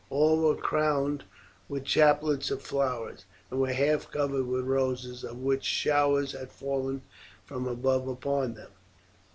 All were crowned with chaplets of flowers, and were half covered with roses, of which showers had fallen from above upon them.